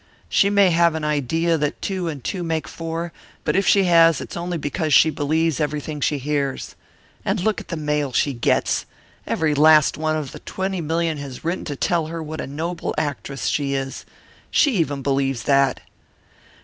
She may have an idea that two and two make four, but if she has it's only because she believes everything she hears. And look at the mail she gets. Every last one of the twenty million has written to tell her what a noble actress she is. She even believes that.